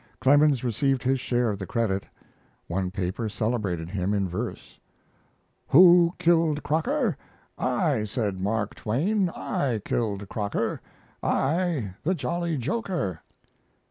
Clemens received his share of the credit. One paper celebrated him in verse: Who killed Croker? I, said Mark Twain, I killed Croker, I, the jolly joker!